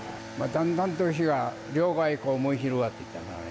だんだんと火が両側へ燃え広がっていったね。